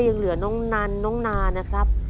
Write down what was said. ยังเหลือน้องนันน้องนานะครับ